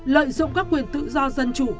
lợi dụng các quyền tự do dân chủ